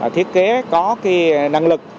thiết kế có cái năng lực